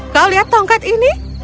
kau lihat tongkat ini